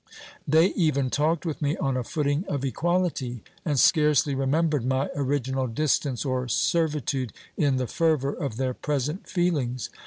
They even talked with me on a footing of equal ity, and scarcely remembered my original distance or servitude in the fervour of their present feelings.